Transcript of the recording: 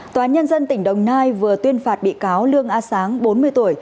tòa nhân dân tỉnh đồng nai vừa tuyên phạt bị cáo lương á sáng bốn mươi tuổi